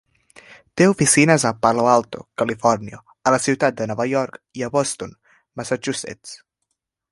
Té oficines a Palo Alto, Califòrnia; a la ciutat de Nova York i a Boston, Massachusetts.